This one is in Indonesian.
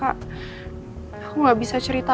aku gak bisa cerita